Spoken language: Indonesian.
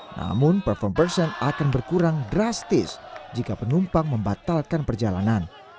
namun perform person akan berkurang drastis jika penumpang membatalkan perjalanan